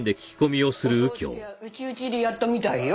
お葬式は内々でやったみたいよ。